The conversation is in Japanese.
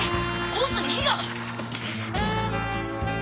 ホースに火が！